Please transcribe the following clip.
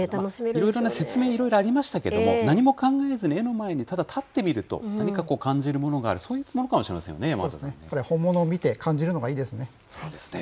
いろいろな説明、いろいろありましたけれども、何も考えずに、絵の前にただ立ってみると、何かこう感じるものがある、そういう本物を見て感じるのがいいですね。